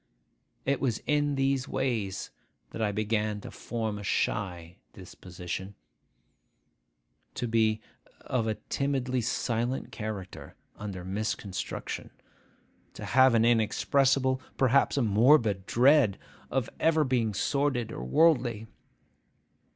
It was in these ways that I began to form a shy disposition; to be of a timidly silent character under misconstruction; to have an inexpressible, perhaps a morbid, dread of ever being sordid or worldly.